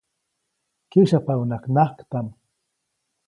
Kyäsyapaʼuŋnaʼak najktaʼm.